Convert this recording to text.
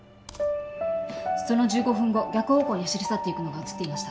その１５分後逆方向に走り去っていくのが写っていました